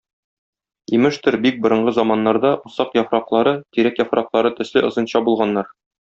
Имештер, бик борынгы заманнарда усак яфраклары тирәк яфраклары төсле озынча булганнар.